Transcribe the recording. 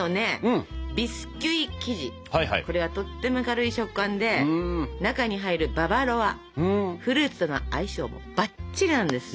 これはとっても軽い食感で中に入るババロアフルーツとの相性もバッチリなんです！